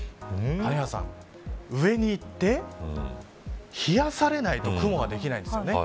谷原さん、上にいって冷やされないと雲ができないんですね。